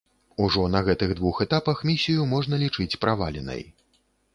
Ужо на гэтых двух этапах місію можна лічыць праваленай.